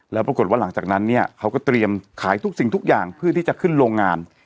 แล้วปรากฏว่าหลังจากนั้นเนี่ยเขาก็เตรียมขายทุกสิ่งทุกอย่างเพื่อที่จะขึ้นโรงงาน